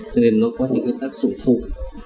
cho nên nó có những tác dụng phụ